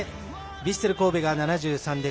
ヴィッセル神戸が７３です。